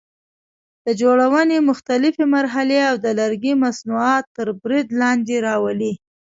د جوړونې مختلفې مرحلې او د لرګي مصنوعات تر برید لاندې راولي.